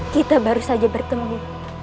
kita baru saja bertemu